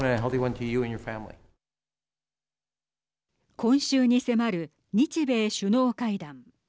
今週に迫る日米首脳会談。